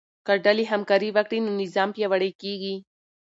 که ډلې همکاري وکړي نو نظام پیاوړی کیږي.